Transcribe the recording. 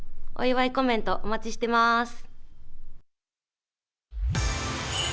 お祝いコメント、お待ちしてまーす